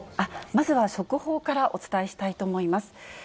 まずは速報からお伝えしたいと思います。